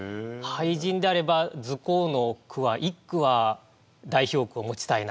俳人であれば「ズコー」の句は一句は代表句を持ちたいなと。